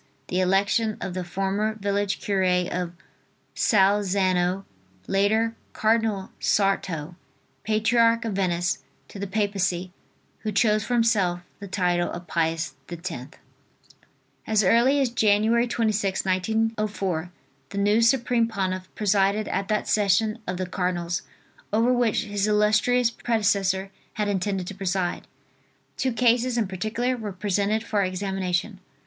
the election of the former village cure of Salzano, later Cardinal Sarto, patriarch of Venice, to the Papacy, who chose for himself the title of Pius X. As early as Jan. 26th, 1904, the new supreme pontiff presided at that session of the cardinals over which his illustrious predecessor had intended to preside. Two cases in particular were presented for examination.